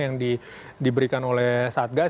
yang diberikan oleh satgas